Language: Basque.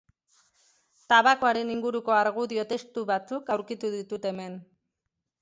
Tabakoaren inguruko argudio testu batzuk aurkitu ditut hemen.